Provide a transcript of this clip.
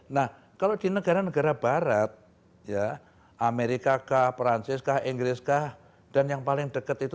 nah kalau di negara negara barat ya amerika kah perancis kah inggris kah dan yang paling dekat itu